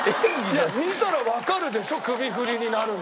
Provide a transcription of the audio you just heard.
いや見たらわかるでしょ首振りになるの。